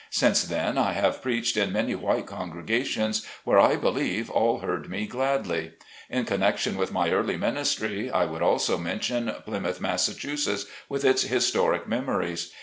Since then, I have preached in many white congregations, where, I believe, all heard me gladly. In connection with my early ministry I would also mention Plymouth, Massachusetts, with its historic memories.